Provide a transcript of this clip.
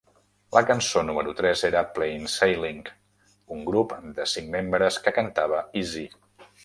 La cançó número tres era Plain Sailing, un grup de cinc membres que cantava "Easy".